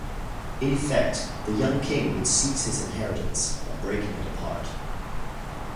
In effect, the Young King would seize his inheritance by breaking it apart.